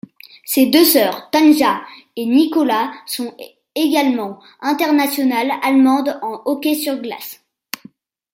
Ses deux sœurs, Tanja et Nicola, sont également internationales allemandes en hockey sur glace.